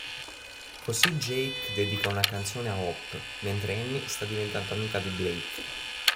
Così Jake dedica una canzone a Hope, mentre Annie sta diventando amica di Blake.